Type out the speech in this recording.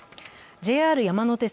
ＪＲ山手線